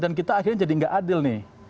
dan kita akhirnya jadi enggak adil nih